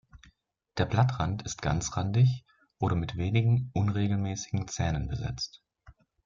Der Blattrand ist ganzrandig oder mit wenigen unregelmäßigen Zähnen besetzt.